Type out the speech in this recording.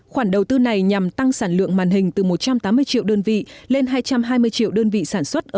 khoản đầu tư này nhằm tăng sản lượng màn hình từ một trăm tám mươi triệu đơn vị lên hai trăm hai mươi triệu đơn vị sản xuất